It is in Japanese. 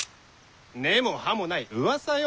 根も葉もないうわさよ